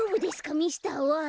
ミスターＹ！